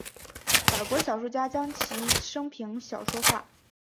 法国小说家将其生平小说化。